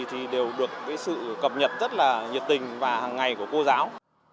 thì đều được sự cập nhật rất là nhiệt tình và hàng ngày của cô giáo